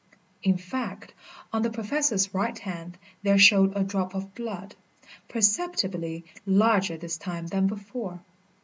In fact, on the Professor's right hand there showed a drop of blood, perceptibly larger this time than before.